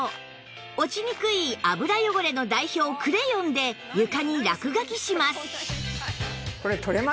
落ちにくい油汚れの代表クレヨンで床に落書きします